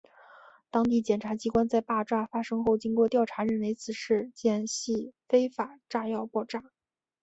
当地检察机关在爆炸发生后经过调查认为此事件系非法炸药爆炸。